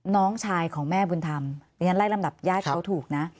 น้องชายของแม่บุญธรรมดิฉันไล่ลำดับญาติเขาถูกนะ